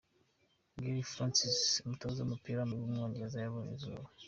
Gerry Francis, umutoza w’umupira w’amaguru w’umwongereza yabonye izuba.